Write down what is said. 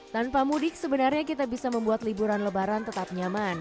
tanpa mudik sebenarnya kita bisa membuat liburan lebaran tetap nyaman